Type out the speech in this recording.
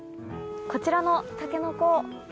こちらのタケノコ